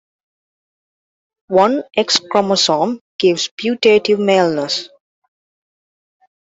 One X chromosome gives putative maleness.